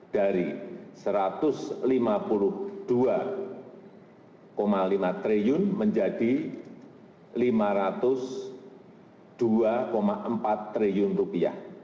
dari satu ratus lima puluh dua lima triliun menjadi lima ratus dua empat triliun rupiah